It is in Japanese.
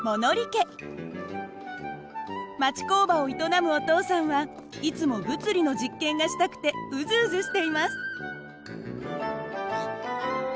町工場を営むお父さんはいつも物理の実験がしたくてうずうずしています。